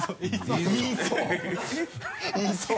言いそう？